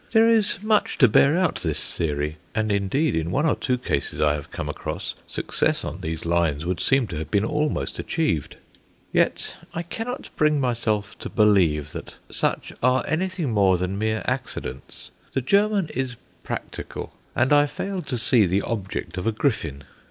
There is much to bear out this theory, and indeed in one or two cases I have come across success on these lines would seem to have been almost achieved. Yet I cannot bring myself to believe that such are anything more than mere accidents. The German is practical, and I fail to see the object of a griffin.